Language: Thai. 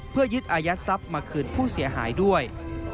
เพื่อยึดอายัดทรัพย์มาคืนผู้เสียหายด้วย